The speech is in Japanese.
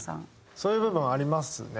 そういう部分はありますね。